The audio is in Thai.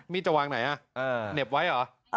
จะวางไหนเหน็บไว้เหรอ